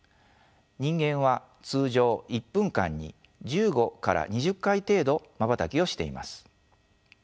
人間は通常１分間に１５から２０回程度まばたきをしています。